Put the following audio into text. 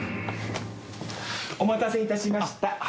お待たせいたしました。